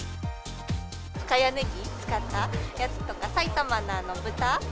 深谷ネギ使ったやつとか、埼玉の豚。